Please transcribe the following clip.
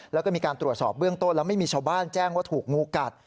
แล้วก็มีการตรวจสอบเบื้องต้นแล้วไม่มีชาวบ้านแจ้งว่าถูกงูกัด